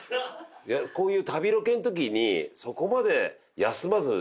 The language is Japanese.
こういう旅ロケの時にそこまで休まず盛り上がるって。